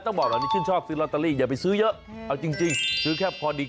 บอกแบบนี้ชื่นชอบซื้อลอตเตอรี่อย่าไปซื้อเยอะเอาจริงซื้อแค่พอดี